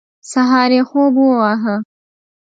سهار یې خوب وواهه.